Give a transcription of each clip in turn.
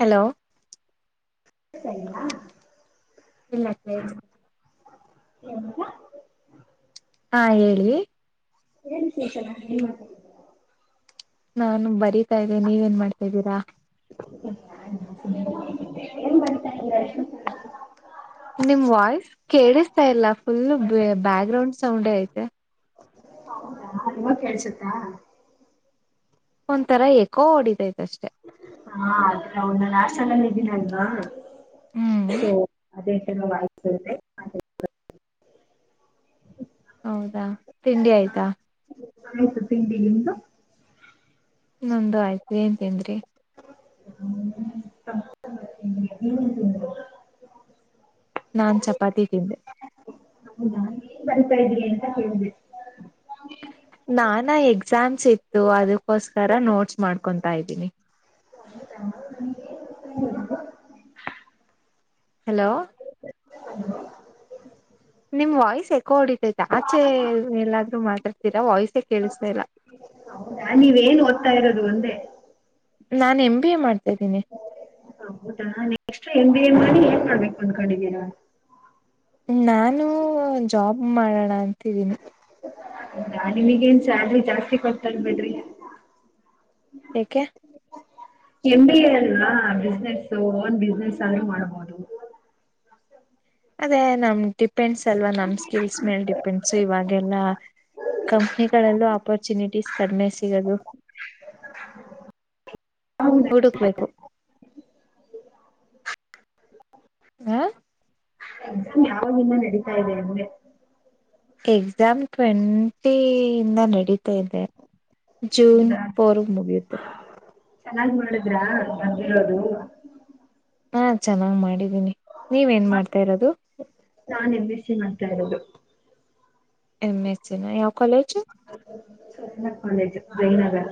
Hello. ಸರಿನಾ. ಇಲ್ಲ ಕೇಳ್ಸ್. ಎನಾಕ್ಕ. ಹಾ ಹೇಳಿ. ಏನ್ ಶೇಷನ್ ಏನ್ ಮಾಡ. [unintelligible] ನಾನು ಬರೀತಾ ಇದ್ದೆ ನೀವೇನ್ ಮಾಡ್ತಾದ್ದೀರಾ. ಏನ್ ಬರಿತ ಇದ್ಯಾ. [unintelligible] ನಿಮ್ ವಾಯ್ಸ್ ಕೇಳುಸ್ ತ್ತ ಇಲ್ಲ ಫುಲ್ಲು ಬ್ಯಾ ಬ್ಯಾಗ್ ಗ್ರೌಂಡ್ ಸೌಂಡೇ ಐತೆ. ಹೌದಾ ಇವಾಗ್ ಕೇಳ್ಸುತ್ತಾ. ಒಂತರಾ ಎಕೋ ಓಡಿತೈ ಹಾ ಅಂದ್ರೆ ಅವ್ನ್ ನಾ ಹಾಸ್ಟೆಲಲ್ಲಿ ಇನ್ನೇಡ್ವ. ಸೊ ಅದೇ. ಇನ್ನು ಆಕೆಯಲ್ಲೇ. [unintelligible] ಹೌದಾ ತಿಂಡಿ ಆಯ್ತಾ. ಆಯ್ತು ತಿಂಡಿ ನಿಮ್ದು. ನಂದು ಆಯ್ತು ಏನ್ ತಿನ್ರಿ. ನಾನು ಟೊಮೇಟೊ ಬಾತ್ ತಿಂದೆ ನೀವ್ ಏನ್ ತಿಂದ್ರಿ. ನಾನ್ ಚಪಾತಿ ತಿಂದೆ. ಹೌದ ಏನ್ ಬರಿತ್ತಾ ಇದ್ರಿ ಅಂತ ಕೇಳ್ದೆ. ನಾನಾ ಎಕ್ಸಾಮ್ಸ್ ಇತ್ತು ಅದಕ್ಕೋಸ್ಕರ ನೋಟ್ಸ್ ಮಾಡ್ಕೊತಾ ಇದ್ದೀನಿ. ಹೆಲೋ. [unintelligible] ನಿಮ್ ವಾಯ್ಸ್ ಎಕೊ ವಡಿತ್ ಆಚೆ ಎಲ್ಲಾದ್ರು ಮಾತಾಡ್ತೀರಾ ವಾಯ್ಸೇ ಕೇಳುಸ್ತ ಇಲ್ಲ. ಹೌದಾ ನೀವೇನ್ ಓದ್ತಾ [unintelligible] ನಾ ನಿಮ್ ಹೌದಾ ನೆಕ್ಸ್ಟ್ ಎಮ್ ಬಿ ಏ ಮಾಡಿ ಏನ್ ಮಾಡ್ಬೇಕು ಅಂದ್ಕೊಂಡಿದ್ದೀರಾ. ನಾನು ಜಾಬ್ ಮಾಡೋಣ ಅಂತ ಅಂತಿದ್ದೀನಿ ಹೌದಾ ನಿಮಗೇನ್ ಸ್ಯಾಲ್ರಿ ಜಾಸ್ತಿ ಕೊಡ್ತಾನ್ ಬೀಡ್ರಿ ಏಕೆ ಎಂ ಬಿ ಎ ಅಲ್ವಾ ಬಿಸ್ನೆಸ್ ಓನ್ ಬಿಸ್ನೆಸ್ ಅದ್ರು ಮಾಡಬಹುದು ಅದೇ ನಮ್ಟಿ ಡಿಪೆಂಡಸ್ ಅಲ್ವಾ ನಮ್ಮ ಸ್ಕಿಲ್ಸ್ ಮೇಲ್ ಡಿಪೆಂಡ್ಸ್ ಇವಾಗೆಲ್ಲ ಕಂಪ್ನಿಗಳಲ್ಲೂ ಅಪರ್ಚುನಿಟೀಸ್ ಕಡಿಮೆ ಸಿಗದು ಹೌದಾ ಹುಡುಕಬೇಕು ಹ ಎಕ್ಸಾಮ್ ಯಾವಗ ಇಂದಾ ನಡೀತಾ ಇದೆ ಅಂದೇ ಎಕ್ಸಾಮ್ ಟ್ವೆಂಟಿಯಿಂದ ನಡೀತ ದೇ ಜೂನ್ ಫೋರ್ ಮುಗಿಯುತ್ತೆ ಚೆನ್ನಾಗಿ ಮಾಡಿದ್ರ ಬಂದಿರೋದು ಹಾ ಚೆನ್ನಾಗ್ ಮಾಡಿದ ನೀವ ಏನ ಮಾಡ್ತಾ ಇರೋದು ಮಾಡ್ತ ಇರೋದು ಎಂ ಎಚ್ ನಾ ಯಾವದ ಸ್ವನಕಂದೇತ ಜೈನಗರ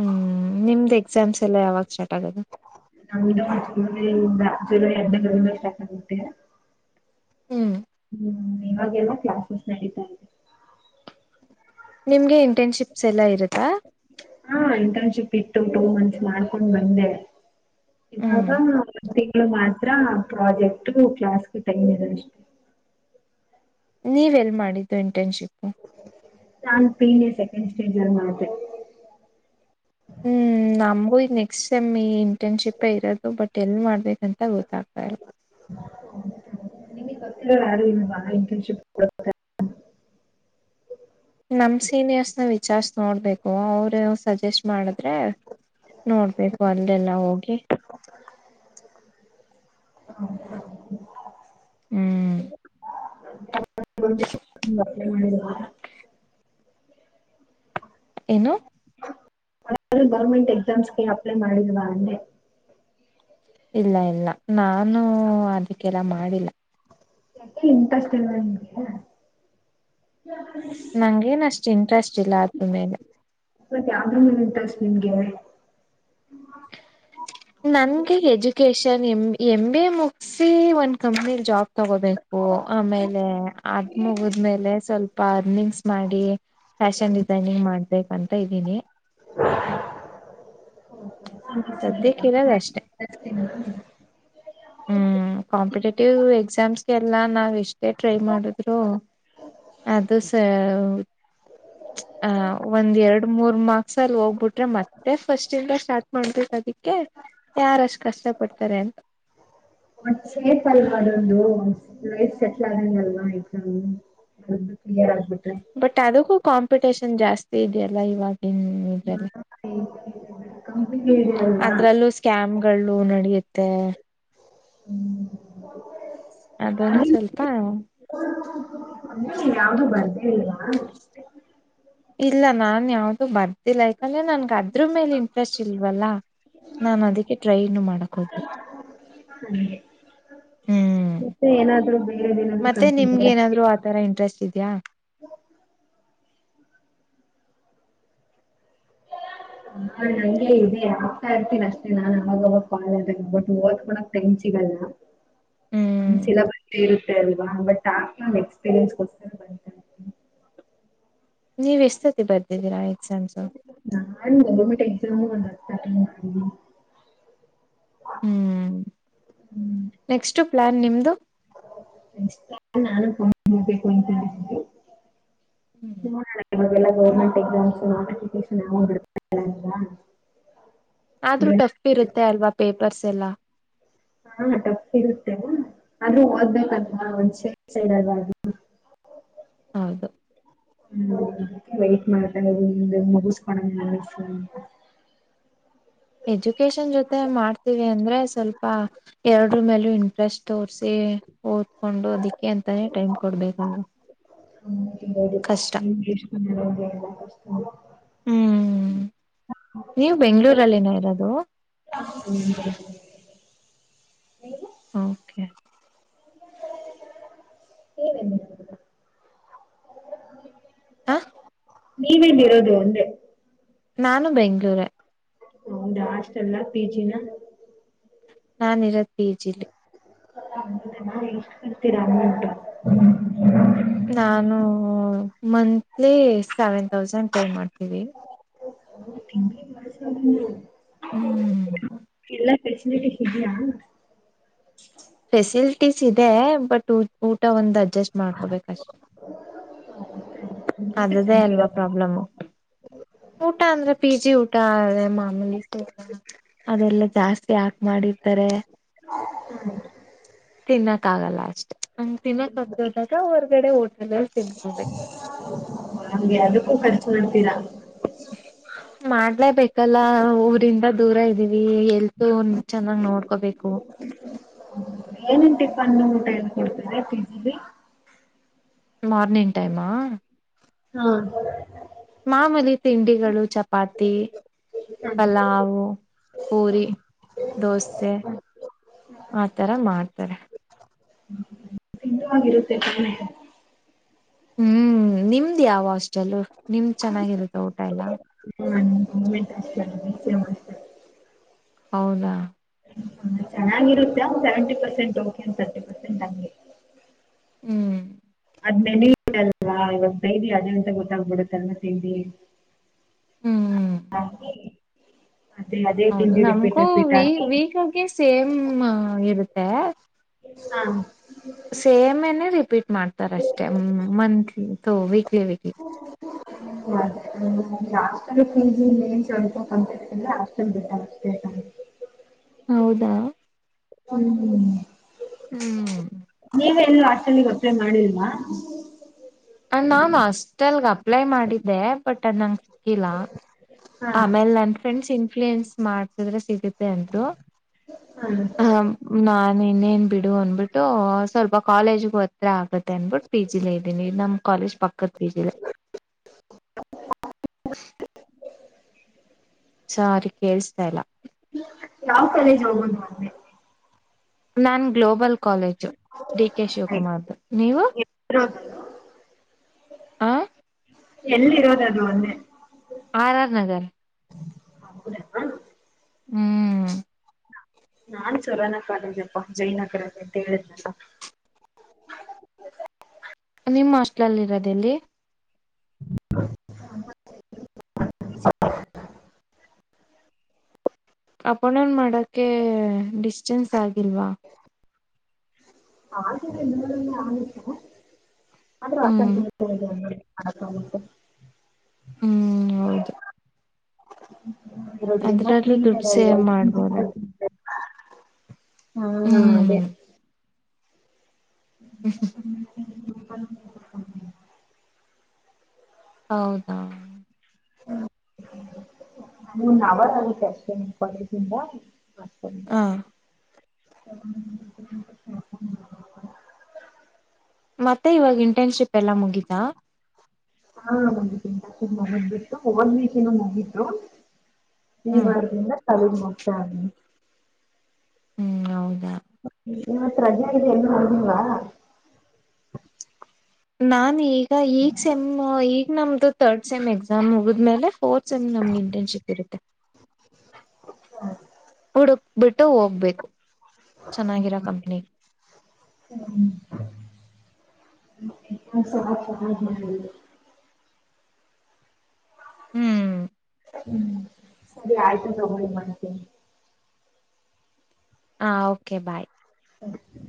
ಹ್ಮ್ ನಿಮದ ಎಕ್ಸಾಮ್ಸ್ ಎಲ್ಲ ಯಾವಾಗ ಸ್ಟಾರ್ಟ್ ಆಗೋದು ನಂದು ಗುರುವಾರ ಇಂದ ಜುಲೈ ಹದ್ನೈ ದ ಇಂದ ಸ್ಟಾರ್ಟ್ ಆಗುತ್ತೆ ಹ್ಮ್ ಹ್ಮ್ ಇವಾಗೆಲ್ಲ ಕ್ಲಾಸಸ್ ನಡೀತಾ ಇದೆ ನಾ ನಿಮಗೆ ಇಂಟರ್ನ್ಶಿಪಸ ಎಲ್ಲ ಇರುತ್ತಾ ಹಾ ಇಂಟರ್ನ್ಶಿಪ್ ಇತ್ತು ಟು ಮಂಥಸ ಮಾಡ್ಕೊಂಡ್ ಬಂದೆ ಹ್ಮ್ ಇವಾಗ ಒಂದ್ ತಿಂಗಳು ಮಾತ್ರ ಪ್ರೊಜೆಕ್ಟ್ ಕ್ಲಾಸ್ ಟೈಮ್ ಇದೆ ಅಷ್ಟೆ ನೀವ ಎನ್ ಮಾಡಿದ್ದೆ ಇಂಟರ್ನ್ಶಿಪ್ ಚಾನ ಪೀನೆ ಇಂಪ್ಯಾಕ್ಟ್ ಇನ್ಸ್ಟೇಂಜರ್ ಮಾಡದೆ ಹ್ಮ್ ನಮಗೂ ಈ ನೆಕ್ಸ್ಟ್ ಸೇಮ್ ಈ ಇಂಟರ್ನ್ಶಿಪ್ ಇರೋದು ಬಟ್ ಎಲ್ಲಿ ಮಾಡಬೇಕಂತ ಗೊತ್ತಾಆಗತ ಇಲ್ಲ ನಿನಗೆ ಗೊತ್ತ ಇರೋರು ಯಾರೂ ಇಲ್ಲವ ಇಂಟರ್ನ್ಶಿಪ್ ನಮ್ಮ ಸೀನಿಯರ್ಸ್ನ ವಿಚಾರಿಸಿ ನೋಡಬೇಕು ಅವರು ಸಜೆಸ್ಟ್ ಮಾಡಿದ್ರೆ ನೋಡಬೇಕು ಅಲ್ಲಿ ಎಲ್ಲಾ ಹೋಗಿ ಹೂ ಹೂ ಹ್ಮ್ ಮಾಡಿಲ್ವಾ ಏನು ಯಾವುದ ಆದರೂ ಗೌರ್ಮೆಂಟ್ ಎಕ್ಸಾಮ್ಸ್ ಗೆ ಅಪ್ಲೈ ಮಾಡಿದಿರಾ ಅಂದೆ ಇಲ್ಲ ಇಲ್ಲ ನಾನು ಅದಕ್ಕೆಲ್ಲ ಮಾಡಿಲ್ಲ ಯಾಕ್ ಇಂಟ್ರೆಸ್ಟ್ ಇಲ್ಲ ನಿಮಗೆ ನಂಗೇನ್ ಅಷ್ಟು ಇಂಟ್ರೆಸ್ಟ್ ಇಲ್ಲ ಅದ್ರ ಮೇಲೆ ಮತ್ತ್ ಯಾವ್ದ್ರ ಮೇಲೆ ಇಂಟ್ರೆಸ್ಟ್ ನಿಂಗೆ ನನ್ಗೆ ಎಜುಕೇಶನ್ [unintelligible] ಎಂ ಎಂ ಬೇ ಮುಗಸಿ ಒಂದ್ ಕಂಪ್ನಿ ಜಾಬ್ ತಗೋಬೇಕು ಆಮೇಲೆ ಅದ್ ಮುಗಿದ್ಮೇಲೆ ಸ್ವಲ್ಪ ಪಾರ್ನಿಂಗ್ಸ್ ಮಾಡಿ ಫ್ಯಾಷನ್ ಡಿಸೈನಿಂಗ್ ಮಾಡ್ಬೇಕಂತ [unintelligible] ತಾ ಇದ್ದೀನಿ ಹ [unintelligible] ಸದ್ಯಕ್ಕೆ ಇರೋದ್ ಅಷ್ಟೆ ಹ [unintelligible] ಹ್ಮ್ ಕಾಂಪಿಟೇಟಿವ್ ಎಕ್ಸಾಮ್ಸ್ ಎಲ್ಲಾ ನಾವ್ ಇಷ್ಟ [unintelligible] ಅಷ್ಟೇ ಟ್ರೈ ಮಾಡಿದ್ರು ಅದು ಸ [unintelligible] ಆ ಒಂದ್ ಎರಡು ಮೂರ್ ಮಾರ್ಕ್ಸ್ ಅಲ್ಲಿ ಹೋಗ್ಬಿಟ್ರೆ ಮತ್ತೆ ಫಸ್ಟ್ ಇಂದ ಸ್ಟಾರ್ಟ್ ಮಾಡಿಬೆಕ್ ಅದಕ್ಕೆ ಯಾರಷ್ಟು ಕಷ್ಟಪಡ್ ತರೆ ಅಂತ [unintelligible] [unintelligible] ಸೇಫ ಅಲ್ವಾ ಅದೊಂದು ಲೈಫ್ ಸೆಟ್ಲ್ ಆದಂಗ್ ಅಲ್ವಾ ಎಕ್ಸಾಮು [inaudible] ಬಟ್ ಅದಕ್ಕೂ ಕಾಂಪಿಟೇಷನ್ ಜಾಸ್ತಿ ಇದೆಯ ಲ್ಲ ಈವಾಗ್ ಹ್ಮ ಇದಾವೆ [unintelligible] ಅಲ್ವಾ ಅದ್ರಲ್ಲೂ ಸ್ಕ್ಯಾಮ್ ಗಳು ನಡೆಯುತ್ತೆ ಹ್ಮ್ ಅದೊಂದ್ ಸ್ವಲ್ಪ ಯಾವ್ದೂ ಬರ್ದೇ ಇಲ್ವಾ ಇಲ್ಲ ನಾನ್ ಯಾವ್ದು ಬರ್ದಿಲ್ಲ ಯಾಕಂದ್ರೆ ನಂಗ್ ಅದ್ ಅದ್ರ್ ಮೇಲೆ ಇಂಟ್ರೆಸ್ಟ್ ಇಲ್ವಲ್ಲ ನಾನು ಅದಕ್ಕೆ ಟ್ರೈನು ಮಾಡಕ್ ಹೋ [unintelligible] ಹಂಗೆ ಹ್ಮ್ ಬೇರೆದೇನಾದ್ರೂ ಮತ್ತೆ ನಿಮ್ಗೆ ಏನಾದ್ರು ಆತರ ಇಂಟ್ರೆಸ್ಟ್ ಇದ್ಯಾ ಹ ನಂಗೆ ಇದೆ ಆಗ್ತಾ ಇರ್ತೀನಿ ಅಷ್ಟೇ ನಾನ್ ಅವಾಗವಾಗ ಕಾಲ [unintelligible] ಅಬಿಟ್ಟು ಓದ್ಕಳಕ್ ಟೈಮ್ ಸಿಗಲ್ಲ ನಮ್ ಹ್ಮ್ ಸಿಲ್ಲಬ ಇರುತ್ತೆ ಅಲ್ವಾ ಬಟ್ ಆಗ ನನ್ ಎಕ್ಸ್ಪೀರಿಯನ್ಸ್ಗೋಸ್ಕರ ಬರಿತ [unintelligible] ನೀವ ಎಷ್ಟ ಸತಿ ಬರ್ದಿದ್ದೀರಾ ಆಯ್ [unintelligible] ನನ್ನ [unintelligible] ಗೋರ್ಮೆಂಟ್ [unintelligible] ಹ್ಮ್ ನೆಕ್ಸ್ಟ್ ಪ್ಲಾನ್ ನಿಮ್ಮದು ನೆಕ್ಸ್ಟ್ ಪ್ಲಾನ್ ನಾನು [unintelligible] ಅನ್ಕೊಂಡಿದೀವಿ [inaudible] ಅವೆಲ್ಲ ಗೌರ್ಮೆಂಟ್ ಎಕ್ಸಾಮ್ಸ ನೋಟಿಫಿಕೇಶನ್ ಏನೋ [unintelligible] ಆದ್ರೂ ಟಫ್ ಇರುತ್ತೆ ಅಲ್ವಾ ಪೇಪರ್ಸ್? ಎಲ್ಲ ಹಾ ಟಫ್ ಇರುತ್ತೆಲ್ಲ [inaudible] ಆದ್ರೂ ಓದಬೇಕಲ್ವಾ ಒಂದ್ ಸೇ ಸೈಡ್ ಆದ್ರೂ ಹೌದು ಹಮ್ ವೇಟ್ ಮಾಡ್ತಾ ಇದೀನಿ [inaudible] ಎಜುಕೇಶನ್ ಜೊತೆ ಮಾಡ್ತೀವಿ ಅಂದ್ರೆ ಸ್ವಲ್ಪ ಎರಡ್ರ ಮೇಲೂ ಇಂಟ್ರೆಸ್ಟ್ ತೋರ್ಸಿ ಓದ್ಕೊಂಡು ಅದಕ್ಕೆ ಅಂತಾನೇ ಟೈಮ್ ಕೊಡ್ಬೇಕಲ್ವಾ ಹ್ಮ್ ಕಷ್ಟ [inaudible] [inaudible] ಹ್ಮ್ ನೀವು ಬೆಂಗಗಳೂರಲ್ಲಿ ಏನ ಇರೋದು ಹ್ಮ ಓಕೆ. [unintelligible] ಹಾ ನೀವೆಲ್ಲಿ ಇರೋದು ಅಂದೆ ನಾನು ಬೆಂಗಳೂರೆ ಹೌದಾ ಹಾಸ್ಟಲ್ ಪಿಜಿನಾ ನಾನ ಇರೋದ ಪಿಜಿಲ್ಲಿ [inaudible] ನಾನು ಹ್ಮ್ ಮಂತ್ಲಿ ಸೆವೆನ್ ತೌಸಂಡ್ ಹ್ಮ್ [inaudible] ಇಲ್ಲ [unintelligible] ಫೆಸಿಲ್ ಲಿಟಿಸ್ ಇದೆ ಬಟ್ ಊಟ ಒಂದ್ ಅಡ್ಜಸ್ಟ್ ಮಾಡ್ಕೋಬೇಕಷ್ಟೇ ಊಟ ಅದರದ್ದೇ ಅಲ್ವಾ ಚೆನ್ನಾಗಿರಲ್ಲ ಪ್ರಾಬ್ಲಮು ಊಟ ಅಂದ್ರೆ ಪಿಜಿ ಊಟ [unintelligible] ಅದೆಲ್ಲ ಜಾಸ್ತಿ ಹಾಕ್ ಮಾಡತ್ತಾರೆ ತಿನ್ನ ಆಗಲ್ಲ ಅಷ್ಟೇ ಹಂಗ್ ತಿನ್ನಕ್ ಆಗ್ತೆ ಹೋದಾಗ ಹೊರ್ಗಡೆ ಹೋಟೆಲಲ್ಲಿ ತಿನ್ಕೊಬೇಕು. ಹಂಗೆ ಅದುಕ್ಕು ಓನ್ಚೂರ್ ಇಡ್ತೀರಾ ಮಾಡ್ಲೇಬೇಕಲ್ಲ ಊರಿಂದ ದೂರ ಇದ್ದೀವಿ ಎಲ್ಲಿ ಓ ಅವ್ರನ ಚೆನ್ನಾಗ್ ನೋಡ್ಕೋಬೇಕು. ಏನ್ ಟಿಫನ್ ಊಟ ಎಲ್ಲ ಕೊಡ್ತಾರೆ? ಪೀಜಿಲಿ, ಮಾರ್ನಿಂಗ್ ಟೈಮ? ಹಾ ಮಾಮೂಲಿ ತಿಂಡಿಗಳು, ಚಪಾತಿ ಹ ಪಲ್ಲವು, ಪೂರಿ, ದೋಸೆ ಆತರ ಮಾಡ್ತಾರೆ. ತಿನ್ನುವಾಗಿರುತ್ತೆ? ತಾನೆ. ಹೂ ನಿಮ್ದ್ ಯಾವ ಹಾಸ್ಟೆಲ್? ನಿಮ್ದ್ ಚೆನ್ನಾಗಿರುತ್ತೆ ಊಟ ಎಲ್ಲ? [inaudible] BCM hostel. ಹೌದಾ? ಚೆನ್ನಾಗಿರುತ್ತೆ seventy percent okay thirty percent ಅಂಗೆ ಹೂ ಅದ್ ಮೆನು ಅಲ್ವಾ ಅವಾಗ ತಿಂಡಿ ಡೈಲಿ ಅದೇ ಅಂತ ಗೊತಗಿಬಿಡುತ್ತೆ ಹ್ಮ್ [inaudible] [unintelligible] ಹೌದು ನಮಗೂ ವ ವೀಕ್ಗೆ ಸೇಮ್ ಇರುತ್ತೆ ತೇ. ಹಾ ಸೇಮೇನೆೇ ರಿಪೀಟ್ ಮಾಡ್ತಾರೆ ಅಷ್ಟೇ ಮಂತ್ಲಿ ತೊವಿ ಕಿವಿಗೆ [unintelligible] ಹೌದಾ ಹೂ ಹೂ ಎಲ್ಲ ಹಾಟಲ್ಲಿ ಒಪೆ ಮಾಡಿಲ್ವಾ ನಾನನ್ ಹಾಸ್ಟೆಲ್ಗೆ ಅಪ್ಲೈ ಮಾಡಿದ್ದೆ, ಬಟ್ ಅದ ನಂಗಗೆ ಸಿಕ್ಕಿಲ್ಲ ಹಾ ಆಮೇಲೆ ನನ್ ಫ್ರೆಂಡ್ ಇನ್ಫ್ಲೂಯನ್ಸ್ ಮಾಡ್ತಿದ್ರೆ ಸಿಗುತ್ತೆ ಅಂದ್ರು ಹಾ ಹ ನಾ, ಇನ್ನೇನ್ ಬಿಡು ಅನ್ಬಿಟ್ಟು ಸ್ವಲ್ಪ ಕಾಲೇಜಿಗು ಹತ್ರ ಆಗತ್ತೆ ಅಂದನ್ಬಿಟ್ಟ ಪಿ ಜಿ ಇದ್ದನಿ ನಮ್ಮ ಕಾಲೇಜ್ ಪಕ್ಕದ ಪಿಜಿಲೆ ಹ ಸಾರಿ, ಕೇೇಳಸ್ತಾ ಇಲ್ಲ ಯಾವ ಕಾಲೇಜ್ ಹೋಗೋದು ಮಂದೆ? ನಾನ್ ಗ್ಲೋಬಲ್ ಕಾಲೇಜು ಡಿ ಕೆ ಆಯ್ತು ಶಿವಕುಮಾರ್್ದ, ನೀವು? ಆ ಎಲ್ಲಿರೋದು ಅದು ಅಂದೆ ಆರ್ ಆರ್ ನಗರ್ ಹೌದಾ ಹ್ಮ್ ನಾನ್ ಸರಾನ ಕಾಲೇಜಪ್ಪಾ ಜಯನಗರಲ್ಲ ಅಂತ ಹೇಳಿದ್ನಲ್ಲ ನಿಮ್ಮ ಹಸ್ಟ್ಲಲ್ಲಿ ಇರೋದೆಲ್ಲಿ ಹ್ಮ ಅಪಣನ್ ಮಾಡೋಕೆ ಡಿಸ್ಟೆನ್ಸ್ ತಾಗಿಲ್ವಾ ಹಾಗೇನಿಲ್ಲ ಆದ್ರೂ ಹ್ಮ್ ಅಸಂತ ಅಕಾವುಂಟೆ ಹ್ಮ್ ಹೌದು ಹ ಇರೋದ್ರಿಂದ ಅದ್ರಲ್ಲೂ ನಿಮ್ ದುಡ್ಡು ಸೇವ್ ಮಾಡ್ಬೋದಲ್ಲ [inaudible] ಹಾ ಅದೇ ಹ್ಮ್ ಹ್ಮ ಬಾನ್ ಹೌದಾ ನೀ ನವಷ್ಟೇ ಕಾಲೇಜಿಂದ ವ [inaudible] ಹ [unintelligible] ಮತ್ತೆ ಇವಾಗ ಇಂಟರ್ನ್ಶಿಪ್ ಎಲ್ಲಾ ಮುಗಿತಾ ಹಾ ಒಂದು ತಿಂಕ ಮಗದ್ ಬಿಟ್ಟು ಓನ್ ವೀಕ್ ಏನ ಮುಗು ನೀನ್ ಹ್ಮ್ ಮಾಡ್ದೆನಾ ತಳ ಮೋತ ಹ್ಮ್ ಹೌದಾ ಇವತ್ತು ರಜಾ ಇದೆ ಎಲ್ಲೂ ಹೋಗಿಲ್ವಾ ನಾನ್ ಈಗ ಈಗ ಸೆಮ್ ಈಗ ನಮ್ದು ತರ್ಡ್ ಸೆಮ್ ಎಕ್ಸ ಎಸಾಮ್ ಹಗಿದ್ಮೇಲೆ ಫೋರ್ ಸೈಮ್ ನಮಗೆ ಇಂಟರ್ನ್ಶಿಪ್ ಇರುತ್ತೆ ಹಡುಕ್ ಬಿಟ್ಟು ಹೋಗ್ಬೇಕು ಚೆನ್ನಾಗಿರೋ ಕಂಪ್ನಿ ಹ್ಮ್ [unintelligible] ಸರ್ ಚೆನ್ನಾಗ್ ಮಾಡಿದ್ರು ಹ್ಮ್ ಹ್ಮ್ ಸರಿ ಆಯತು ನಬಳ ಮನತಿ [inaudible] ಹಾ ಓಕೆ ಬಾಯ್ ಹ್ಮ